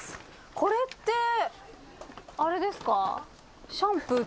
これってあれですか？